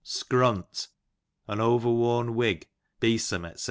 Scrunt, an over worn wig, beesom, d c.